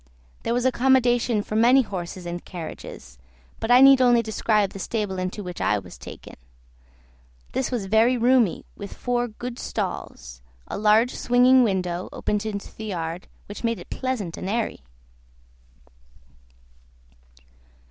There was accommodation for many horses and carriages; but I need only describe the stable into which I was taken; this was very roomy, with four good stalls; a large swinging window opened into the yard, which made it pleasant and airy.